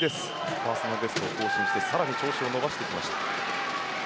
パーソナルベストを更新して更に調子を伸ばしてきました。